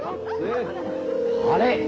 あれ？